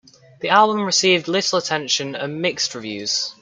The album received little attention and mixed reviews.